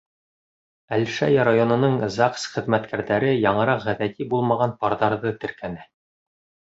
Әлшәй районының ЗАГС хеҙмәткәрҙәре яңыраҡ ғәҙәти булмаған парҙарҙы теркәне.